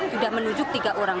sudah menunjuk tiga orang